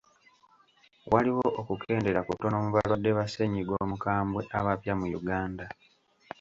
Waliwo okukendeera kutono mu balwadde ba ssennyiga omukambwe abapya mu Uganda.